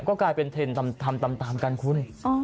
ก็กลายเป็นเทรนด์ทำตามกันคุณ